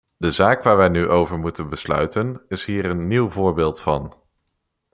De zaak waar wij nu over moeten besluiten, is hier een nieuw voorbeeld van.